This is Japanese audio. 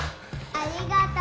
ありがとう！